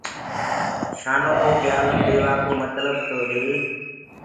شآنو ڪو پيآلو ديوآ ڪو متلب تو هي تو،